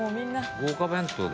豪華弁当だ。